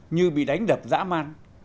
như bị đánh đập dã man